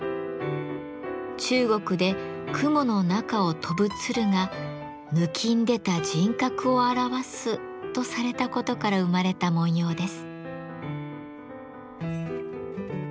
中国で雲の中を飛ぶ鶴が「ぬきんでた人格を表す」とされたことから生まれた文様です。